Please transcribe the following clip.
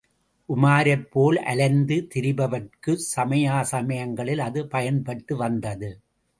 உமாரைப் போல் அலைந்து திரிபவர்க்கும் சமயா சமயங்களில் அது பயன்பட்டு வந்தது.